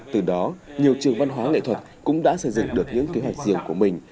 từ đó nhiều trường văn hóa nghệ thuật cũng đã xây dựng được những kế hoạch riêng của mình